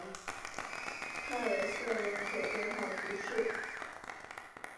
帕尔塞人口变化图示